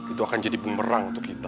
itu akan jadi pemerang untuk kita